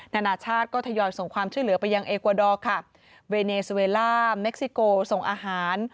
นานาชาติก็ทยอยส่งความช่วยเหลือไปยังเอกวาดอร์ค่ะเวเนสเวล่าเม็กซิโกส่งอาหาร